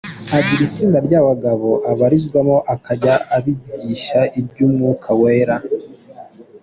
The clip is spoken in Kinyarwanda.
Agira itsinda ry’abagabo abarizwamo akajya abigisha iby’Umwuka Wera.